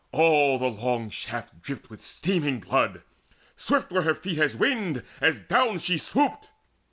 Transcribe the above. All the long shaft dripped With steaming blood. Swift were her feet as wind As down she swooped.